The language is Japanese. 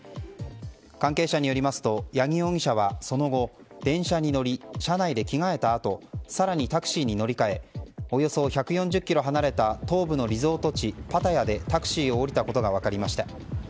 関係者によりますと八木容疑者はその後、電車に乗り車内で着替えたあと更にタクシーに乗り換えおよそ１４０ｋｍ離れた東部のリゾート地パタヤでタクシーを降りたことが分かりました。